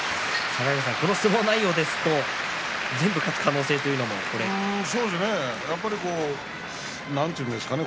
この相撲内容ですと全部勝つ可能性は。なんていうんですかね